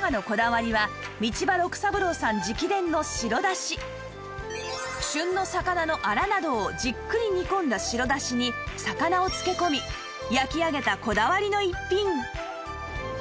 今日は旬の魚のアラなどをじっくり煮込んだ白だしに魚を漬け込み焼き上げたこだわりの逸品